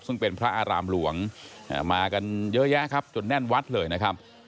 ซึ่งเป็นพระอารามหลวงมากันเยอะแยะครับจนแน่นวัดเลยนะครับ